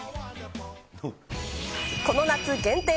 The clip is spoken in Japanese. この夏限定！